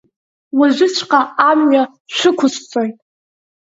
Уажәыҵәҟьа амҩа шәықәысҵоит.